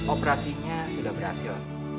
operasinya sudah berhasil